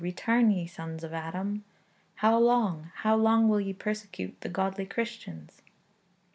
Return ye sons of Adam! How long? How long will ye persecute the godly Christians?